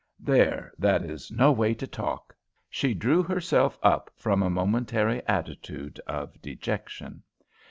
There, that is no way to talk!" she drew herself up from a momentary attitude of dejection.